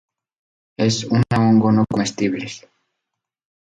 Es una hongo no comestibles.